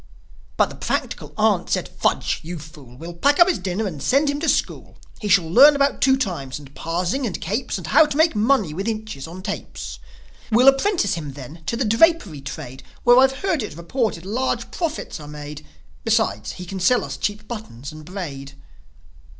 But the practical aunt said, "Fudge! You fool! We'll pack up his dinner and send him to school. He shall learn about two times and parsing and capes, And how to make money with inches on tapes. We'll apprentice him then to the drapery trade, Where, I've heard it reported, large profits are made; Besides, he can sell us cheap buttons and braid."